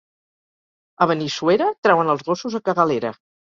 A Benissuera trauen els gossos a cagar a l'era.